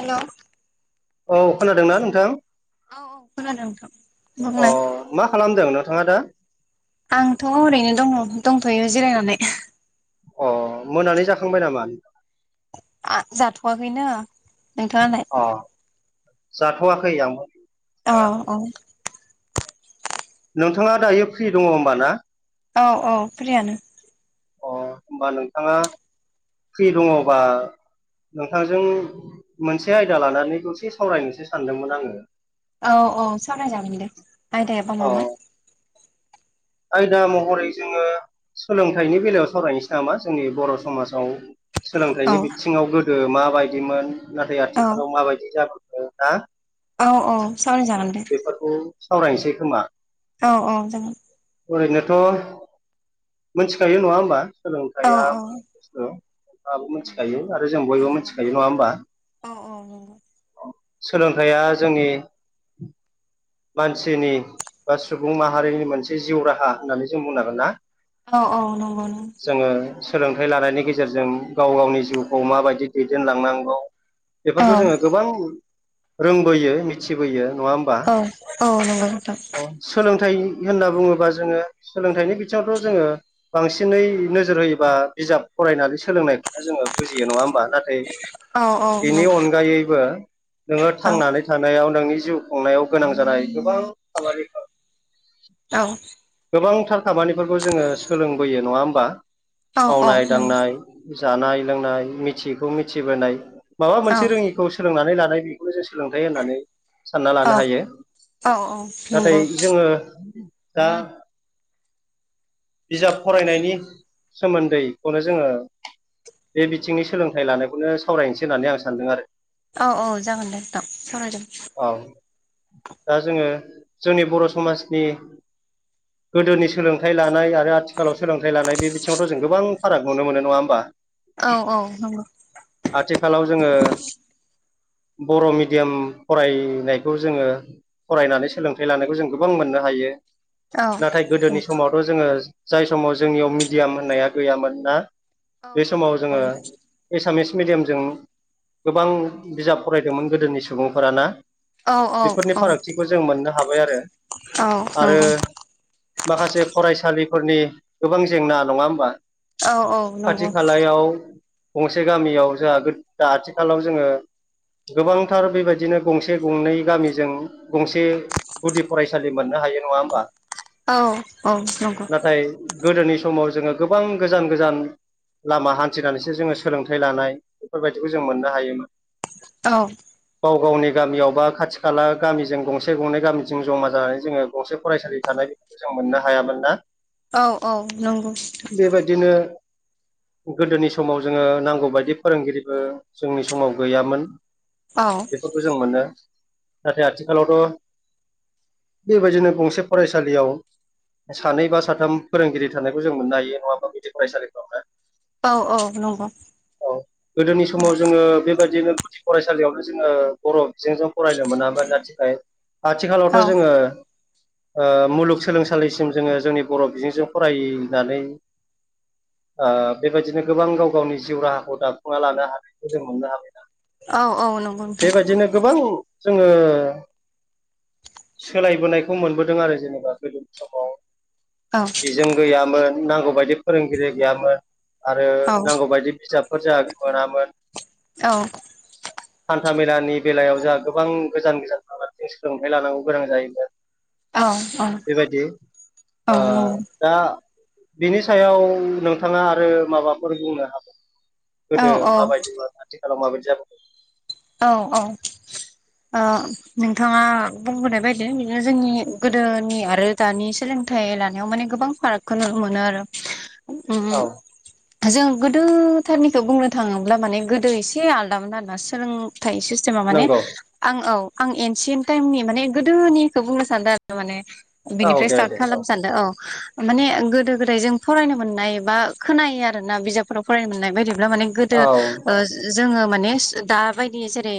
हेल' औ खोनादों ना नोंथां? औ औ खोनादों नोंथां अ बुंलाय। मा खालामदों नोंथाङा दा? आंथ' ओरैनो दङ दंथ'यो जिरायनानै। अ मोनानि जाखांबाय नामा? ओ जाथ'वाखैनो नोंथाङालाय अ जाथ'वाखै आंबो अ जानाया। औ नोंथाङा दायो फ्रि दङ होमबा ना औ औ फ्रियानो अ होमबा नोंथाङा फ्रि दङबा नोंथांजों मोनसे आयदा लानानैखौ दसे सावरायनोसो सानदोंमोन आङो औ औ सावरायजागोन दे आयदायाबा अ मामोन आयदा महरै जोङो सोलोंथाइनि बेलायाव सावरायनोसै नामा जोंनि बर' समाजाव औ सोलोंथाइनि बिथिङाव गोदो माबायदिमोन नाथाय औ आथिखालाव माबायदि जाबोखो ना औ औ सावराय जागोन दे बेफोरखौ सावरायनोसै खोमा औ औ जागोन ओरैनोथ' मोनथिखायो नङा होनबा औ सोलोंथाइया [unintelligible] औ नोंथाङाबो मिथिखायो आरो जों औ बयबो मिथिखायो नङा होमबा [unintelligible] सोलोंथाइया जोंनि मानसिनि बा सुबुं माहारिनि मोनसे जिउ राहा होननानै जों बुंन हांगोन ना औ औ नंगौ नों जोङो सोलोंथाइ लानायनि गेजेरजों गाव-गावनि जिउखौ माबायदि दैदेनलांनांगौ औ बेफोरखौ जोङो गोबां रोंबोयो मिथिबोयो नङा होमबा औ नंगौ औ औ नंगौ नोंथां सोलोंथाइ होनना बुङोबा जोङो सोलोंथाइनि बिथिङावथ' जोङो बांसिनै नोजोर होयोबा बिजाब फरायनानै सोलोंनायखौ जोङो बुजियो नङा होमबा नाथाय औ औ नंगौ बेनि अनगायैबो नोङो औ थांनानै थानायाव नोंनि जिउ खुंनायाव गोनां जानाय गोबां खामानिफोर औ गोबांथार खामानिफोरखौ जोङो सोलोंबोयो नङा होमबा औ औ मावनाय नंगौ दांनाय जानाय लोंनाय मिथियैखौ मिथिबोनाय माबा औ मोनसे रोङि खौ सोलोंनानै लानाय बेखौनो जों सोलोंथाइ होननानै सानना लानो औ हायो औ औ नंगौ नाथाय जोङो दा बिजाब फरायनायनि सोमोन्दैखौनो जोङो बे बिथिंनि सोलोंथाइ लानायखौनो सावरायनोसै होननानै आं सानदों आरो औ औ जागोन नोंथां सावरायदों औ दा जोङो जोंनि बर' समाजनि गोदोनि सोलोंथाइ लानाय आरो आथिखालाव सोलोंथाइ लानाय बे बिथिङावथ' जों गोबां फाराग नुनो मोनो नङा होमबा औ औ नंगो आथिखालाव जोङो बर' मिडियाम फरायनायखौ जोङो फरायनानै सोलोंथाइ लानायखौ जों गोबां मोननो हायो औ नाथाय गोदोनि समावथ' जोङो जाय समाव जोंनियाव मिडियाम होननाया गैयामोन ना औ बे समाव नंगौ जोङो नोंथां एसामिस मिडियामजों गोबां बिजाब फरायदोंमोन गोदोनि सुबुंफोराना औ औ बेफोरनि फारागथिखौ जों मोननो हाबाय आरो आरो नंगौ माखासे फरायसालिफोरनि गोबां जेंना नङा होमबा औ औ नंगौ खाथि खालायाव गंसे गामियाव जोंहा दा आथिखालाव जोङो गोबांथार बेबायदिनो गंसे गंनै गामिजों गंसे गुदि फरायसालि मोननो हायो नङा होमबा औ औ नंगौ नाथाय गोदोनि समाव जोङो गोबां गोजान गोजान लामा हान्थिनानैसो जोङो सोलोंथाइ लानाय बेफोरबायदिखौ जों मोननो हायोमोन। औ। गाव गावनि गामियाव बा खाथि खाला गामिजों गंसे गंनै गामिजों जमा जानानै जोङो गंसे फरायसालि थानाय बेफोरखौ जों मोननो हायामोन ना। औ औ नोंगौ। बेबायदिनो गोदोनि समाव जोङो नांगौ बायदि फोरोंगिरिबो जोंनि समाव गैयामोन। औ। बेफोरखौ जों मोनो नाथाय आथिखालावथ' बेबायदिनो गंसे फरायसालियाव सानै बा साथाम फोरोंगिरि थानायखौ जों मोननो हायो नङा हमबा गुदि फरायसालिफ्रावनो। औ औ नंगौ। औ गोदोनि समाव जोङो बेबायदिनो फरायसालियावथ' जोङो बर' बिजोंजों फरायनो मोनामोन नाथिखाय औ आथिखालावथ' जोङो ओ मुलुगसोलोंसालिसिम जोङो जोंनि बर' बिजोंजों फरायनानै ओ बेबायदिनो गोबां गाव गावनि जिउ राहाखौ दाफुंना लानो हानायखौ जों मोननो हाबाय दा। औ नंगौ नोंथां औ औ नंगौ बेबायदिनो गोबां जोङो सोलायबोनायखौ मोनबो दों आरो जेनेबा गोदोनि समाव औ बेजों गैयामोन नांगौ बायदि फोरोंगिरि गैयामोन आरो औ नांगौ बायदि बिजाब फोर जाहा मोनामोन। औ। [inaudible] हान्था मेलानि बेलायाव जोंहा गोबां गोजान गोजान थांनानै सोलोंथाइ लानांगौ गोनां जायोमोन। औ औ। बेबायदि ओ दा बिनि सायाव नोंथाङा आरो माबाफोर बुंनो हाबाव गोदो माबायदिमोन आथिखालाव माबायदि जाबो औ औ। ओ नोंथाङा बुंबोनाय बायदि बिदिनो जोंनि गोदोनि आरो दानि सोलोंथाइ लानायाव माने गोबां फारागखौ नुनो मोनो आरो ओम औ ओम जोंङ गोदोथारनिखौ बुंनो थाङोब्ला माने गोदो एसे आलादामोन सोलोंथाइ एसे जोंहा माने नंगौ आं औ आं एनसियेन टाइमनि माने गोदोनिखौ बुंनो सानदों आरो माने। औ बिनिफ्राय दे स्टार्ट दे खालामनो सानदों औ। माने गोदो गोदाय जों फरायनो मोननाय बा खोनायो आरो ना बिजाबफोराव फरायनो मोननाय बायदियैब्ला माने गोदो औ ओ जोङो माने दा बायदि जेरै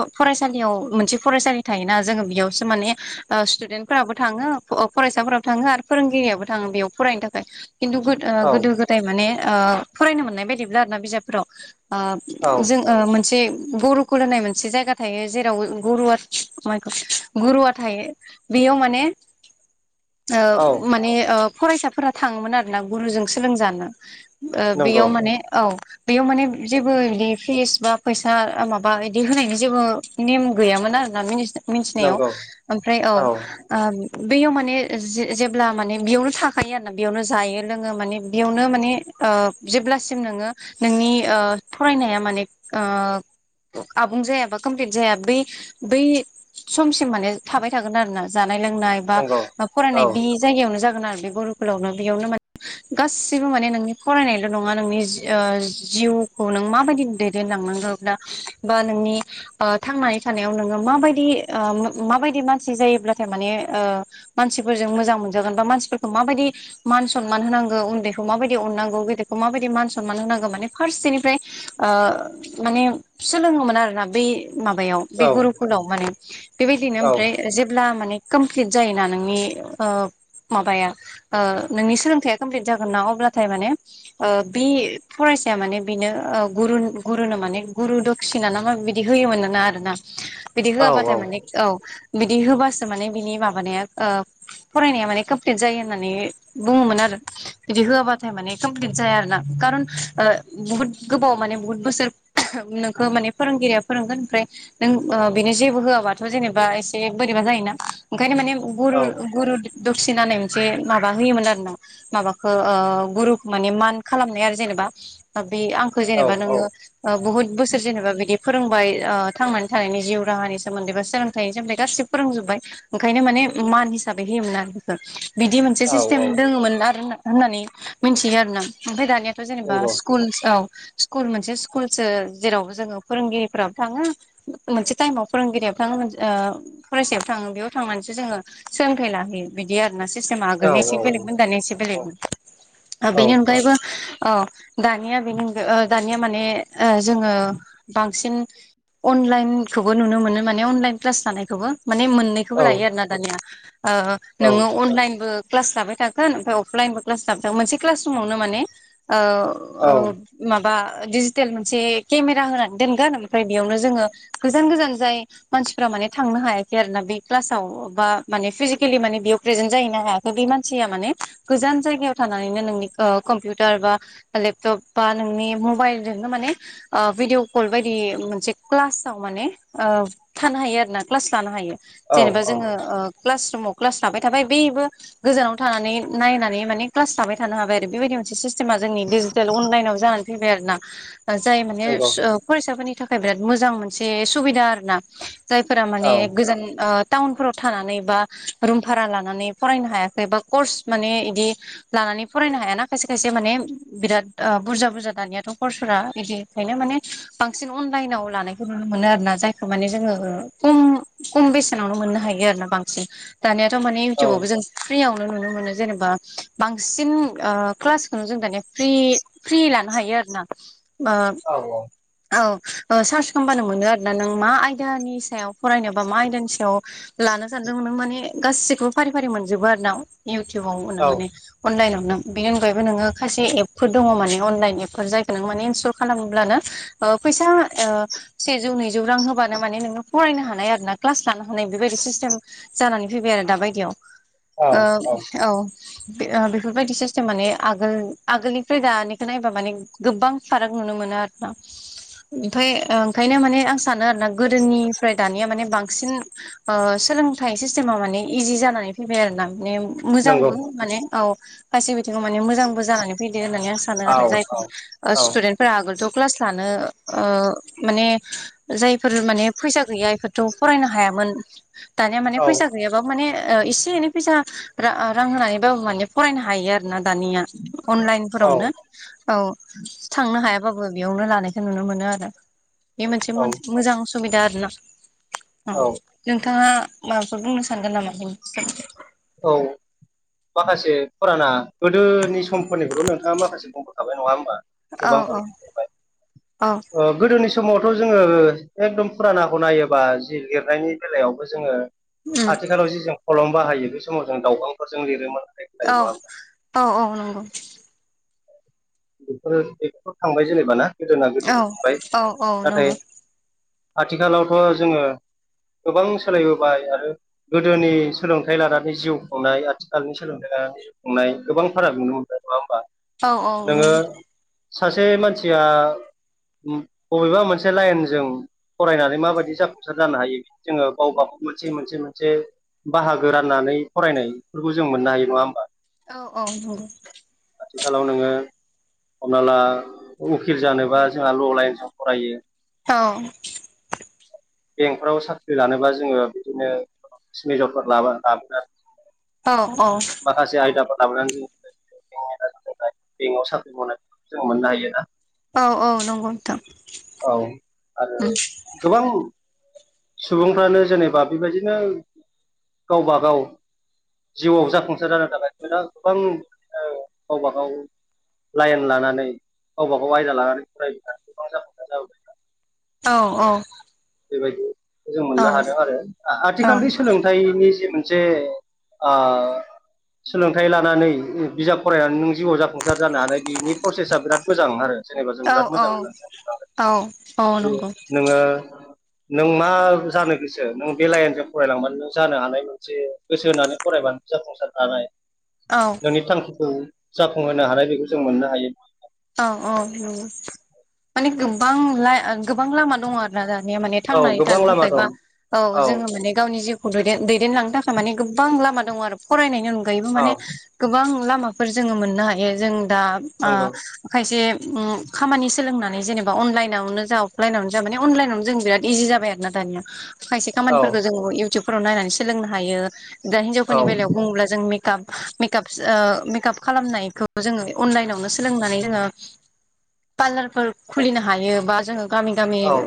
ओ फरायसालियाव मोनसे फरायसालि थायोना जोङो बेयावसो माने ओ स्टुडेन्टफोराबो थाङो ओ फरायसाफोराबो थाङो आरो फोरोंगिरियाबो थाङो बेयाव फरायनो थाखाय खिन्थु गो ओ औ गोदो गोदाय माने ओ फरायनो मोननाय बायदिब्ला आरोना बिजाबफोराव औ ओ जों ओ मोनसे गुरुकुल होननाय मोनसे जायगा थायो जेराव गुरुआ अ माइ गद गुरुआ थायो। बियाव माने [inaudible] ओ माने ओ फरायसाफोरा थाङोमोन आरो ना गुरुजों सोलोंजानो। ओ नंगौ बेयाव माने औ बेयाव माने जेबो इदि फिस बा फैसा ओ माबा इदि होनायनि जेबो नेम गैयामोन आरोना मिनि मिथिनायाव नंगौ ओमफ्राय औ। ओ बैयाव माने जेब्ला माने बेयावनो थाखायो आरोना बेयावनो जायो लोङो माने बेयावनो माने ओ जेब्लासिम नोङो नोंनि ओ फरायनाया माने ओ आबुं जायाबा कमप्लिट जाया बै बै समसिम माने थाबाय थागोन आरोना जानाय लोंनाय बा नंगौ औ फरायनाय बि जायगायावनो जागोन आरो बे गरुकुलावनो बेयावनो मा गाससिबो माने नोंनि फरायनायल' नङा नोंनि जा ओ जिउखौ नों माबायदि दैदेनलांनांगौ। [unintelligible] बा नोंनि ओ थांनानै थानायाव नोङो माबायदि ओ माबायदि मानसि जायोब्लाथाय माने ओ मानसिफोरजों मोजां मोनजागोन बा मानसिफोरखौ माबायदि मान सनमान होनांगौ उन्दैखौ माबादि अननांगौ गेदेरखौ माबादि मान सनमान होनांगौ माने फारसेनिफ्राय ओ माने सोलोङोमोन आरोना बै माबायाव बे औ गुरुकुलाव माने बेबायदिनो औ ओमफ्राय जेब्ला माने कमप्लिट जायोना नोंनि ओ माबाया ओ नोंनि सोलोंथाइया कमप्लिट जागोन ना अब्लाथाय माने ओ बे फरायसाया माने बेनो गुरुन गु गरुनो माने गुरु दकसिना ना मा बिदि होयोमोन नो ना आरो ना बिदि औ औ होआबाथाय माने औ बिदि होबासो माने बिनि माबानाया ओ फरायनाया माने कमप्लिट जायो होननानै बुङोमोन आरो। बिदि होआबाथाय माने कमप्लिट जाया आरो ना खारन ओ बुहुत गोबाव माने बुहुत बोसोर नोंखौ माने फोरोंगिरिया फोरोंगोन ओमफ्राय नों ओ बेनो जेबो होआबाथ' जेनेबा एसे बोरैबा जायोना ओंखायनो माने गुरु गुरु दक्सिना होननाय मोनसे माबा होयोमोन आरो ना। माबाखो ओ गुरुखो माने मान खालामनाय आरो जेनेबा बे आं जेनेबा औ नोङो ओ बहुत बोसोर जेनेबा बिदि फोरोंबाय ओ थांनानै थानायनि जिउ राहानि सोमोन्दै बा सोलोंथाइनि सोमोन्दै गासिबो फोरोंजोबबाय। ओंखायनो माने मान हिसाबै होयोमोन आरो बेखौ। बिदि मोनसे औ सिस्टेम औ दोङोमोन आरो होननानै मिथियो आरो ना। ओमफ्राय दानिया थ' जेनेबा नंगौ स्कुलस औ स्कुल मोनसे स्कुलसो जेराव जोङो फोरोंगिरिफोराबो थाङो। मोनसे टाइमाव फोरोंगिरिया थाङो मोन ओ फरायसायाबो थाङो बेयाव थांनानैसो जोङो सोलोंथाइ लाहोयो। बिदि आर ना सिस्टेमा औ आगोलनो एसे बेलेगमोन दानिया एसे बेलेगमोन। औ बेनि अनगायैबो औ दानिया बेनि अनगा ओ दानिया माने ओ जोङो बांसिन अनलाइनखौबो नुनो मोनो माने अनलाइन क्लास लानायखौबो माने मोननै औ बेखौबो लायो आरोना दानिया ओ नोङो अनलाइनबो क्लास लाबाय थागोन ओमफ्राय अफलाइनबो क्लास जाबाय थागोन मोनसे क्लास रुमावनो माने ओ औ ओ माबा डिजि टेल मोनसे केमेरा होनानै दोनगोन ओमफाय बेयावनो जोङो गोजान गोजान जाय मानसिफोरा माने थांनो हायाखै आरोना बे क्लासाव बा माने फिजिकेलि माने बेयाव प्रेजेन्ट जाहैनो हाया बे मानसिया माने गोजान जायगायाव थानानैनो नोंनिओ कम्पिउटार बा लेपटाप बा नोंनि मबाइलजोंनो माने ओ भिडिअ कल बायदि मोनसे क्लासाव माने ओ थानो हायो आरोना क्लास लानो हायो। जेनेबा औ जोङो ओ क्लास रुमाव क्लास लाबाय थाबाय बैबो। गोजानाव थानानै नायनानै माने क्लास लाबाय थानो हाबाय आरो बेबायदि मोनसे सिस सेमा जोंनि डिजिटेल अनलाइनाव जानानै फैबाय आरो ना। जाय माने नंगौ ओ फरायसाफोरनि थाखाय बिराद मोजां मोनसे सुबिदा आरो ना। जायफोरा माने औ गोजान ओ टाउनफोराव थानानै बा रुम भारा लानानै फरायनो हायाखै बा कर्स माने इदि लानानै फरायनो हायाना खायसे खायसे माने बिराद ओ बुरजा बुरजा दानियाथ' हखरफोरा बिदिखायनो माने बांसिन अनलाइनाव लानायखौ नुनो मोनो आरो ना जायखौ माने जोङो खम खम बेसेनावनो मोननो हायो आरो ना बांसिन दानियाथ' माने औ इउथटुबावबो जों फ्रियावनो नुनो मोनो जेनेबा बांसिन ओ क्लासखौनो जों दानिया फ्रि फ्रि लानो हायो आरो ना ओ औ ओ सार्च खालामबानो मोनो आरोना नों मा आयदानि सायाव फरायनोबा मा आयदानि सायाव लानो सानदोंमोन नों माने गासिखोबो फारि फारि मोनजोबो आरो ना इउटुबावनो औ माने अनलाइनाव नो बेनि अनगायैबो नोङो खायसे एपफोर दङ माने अनलाइन एपफोर जाय नों माने इन्सटल खालामब्लानो ओ फैसा ओ सेजौ नैजौ रां होबानो माने नोंङो फरायनो हानाय आरो ना क्लास लानो हानाय बेबायदि सिस्टेम जानानै फैबाय आरो दा बायदियाव ओ औ। ओ बेफोरबायदि सिस्टेम माने आगोल आगोलनिफ्राय दानिखो नायबा माने गोबां फाराग नुनो मोनो आरो ना। ओमफाय ओंखायनो माने आं सानो आरो ना गोदोनिफ्राय दानिया माने बांसिन ओ सोलोंथाइ सिस्टेमा माने इजि जानानै फैबाय आरो ना माने नंगौ मोजांबो माने औ खायसेबिथिङाव माने मोजांबो जानानै फैदो होननानै आं सा औ आरो जायफोर औ औ स्टुडेन्टफोरा आगोलथ' क्लास लानो ओ माने जायफोर माने फैसा गैया इफोरथ' फरायनो हायामोन दानिया माने औ फैसा गैयाबा माने ओ एसे एनै फैसा रां होनानैबो माने फरायनो हायो। आरोना दानिया अनलाइनफोरावनो औ। थांनो हायाबाबो बेयावनो लानायखौ नुनो मोनो आरो बे औ मोनसे मोजां सुबिदा आरोना औ नोंथाङा माबाफोर बुंनो सानगोन नामा बेनि औ माखासे फुराना गोदोनि समफोरनिखौथ' नोंथाङा माखासे बुंफोरखाबाय नङा होमबा। औ गोबां औ बाथ्रा मिथिबाय औ ओ गोदोनि समावथ' जोङो एकदम फुरानाखौ नायोबा जि लिरनायनि बेलायावबो जोङो उम आथिखालाव जि जों खलम बाहायो बे समाव जों दाउखांफोरजों लिरोमोन आरो औ औ औ नंगौ। बेफोरो बेफोर' थांबाय जेनेबाना गोदोना गोदोन औ थांबाय औ औ नाथाय नंगौ आथिखालावथ' जोङो गोबां सोलायबोबाय आरो। गोदोनि सोलोंथाइ लानानै जिउ खुंनाय आथिखालनि सोलोंथाइ लानानै जि संनाय गोबां फाराग नुनो मोनबाय नङा होमबा। औ औ नोङो नंगौ सासे मानसिया बबेबा मोनसे लाइनजों फरायनानै माबायदि जाफुंसार जानो हायो जोङो गावबागाव मोनसे मोनसे मोनसे बाहागो राननानै फरायनायफोरखौ जों मोननो हायो नङा होमबा? औ औ नंगौ। आथिखालाव नोङो हमना ला उकिल जानोबा जोंहा ल' लाइनजों फरायो। औ। [inaudible] बेंकफ्राव साख्रि लानोबा जोङो बिदिनो मेजरफोर लाबा लाबोला औ औ। खासे आयदाफोर लाबोनानै जोङो बेंकआव साख्रि मावनायखौ जों मोननो हायोना। औ औ नंगौ नोंथां औ आरो उम। गोबां सुबुंफ्रानो जेनेबा बेबायदिनो गावबागाव जिउआव जाफुंसार जानो थाखाय दा गोबां ओ गावबा गाव लाइन लानानै गावबा गाव आयदा लानानै फरायोबा औ औ बेबायदि जों औ मोननो हादों आरो आथिखालनि सोलोंथाइनि जे मोनसे जे आ सोलोंथाइ लानानै बिजाब फरायनानै नों जिउआव जाफुंसार जानो हानाय बिनि प्रसेसा बिराद मोजां आरो। जेनेबा जों औ बिराद मोजां औ औ नंगौ [unintelligible] नों मा जानो गोसो नों बे लाइनजों फरायलांबानो नों जानो हानाय। से गोसो होनानै फरायबानो जाफुंसारनो हानाय। औ। नोंनि थांखिखौ जाफुंहोनो हानाय बेखौ जों मोननो हायो। औ औ नंगौ माने गोबां गोबां लामा दङ आरोना दानिया माने। औ थांनानै गोबां थानो लामा थाखाय बा दं औ जोङो माने गावनि जिउ दैदेन दैदेनलांनो थाखाय माने गोबां लामा दङ आरो फरायनायनि अनगायैबो औ माने गोबां लामाफोर जोङो मोननो हायो जों दा नंगौ ओ खायसे ओं खामानि सोलोंनानै जेनेबा अनलाइनावनो जा अफलाइनावनो जा माने अनलाइनावनो जों बिराद इजि जाबाय आरो। ना दाननो। खायसे औ खामानिफोरखौ जोङो इउटुबफोराव नायनानै सोलोंनो हायो दा औ हिनजावफोरनि बेलायाव बुङोब्ला जों मेक काप मेकाप ओ मेकाप खालामनायखौ जोङो अनलाइनावनो सोलोंनानै जोङो पार्लारफोर खुलिनो हायोबा जोङो गामि गामि औ